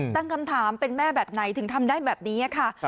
ตั้งคำถามเป็นแม่แบบไหนถึงทำได้แบบนี้ค่ะ